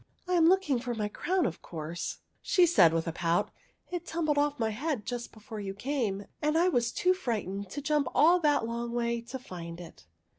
" I am looking for my crown, of course," she said with a pout ;" it tumbled off my head just before you came, and I was too frightened to jump all that long way to find it."